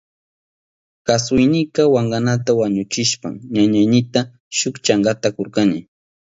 Kusaynika wankanata wañuchishpan ñañaynita shuk chankata kurkani.